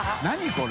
これ。）